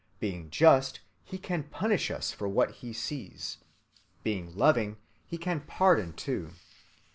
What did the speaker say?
Being just, he can punish us for what he sees. Being loving, he can pardon too.